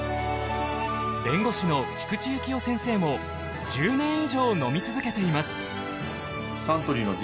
弁護士の菊地幸夫先生も１０年以上飲み続けています。